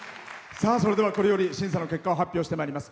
それでは、これより審査の結果発表してまいります。